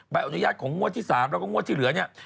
อนุญาตของงวดที่๓แล้วก็งวดที่เหลือเนี่ย